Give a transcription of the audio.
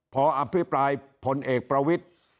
พออภิปรายพลเอกประวิทธิ์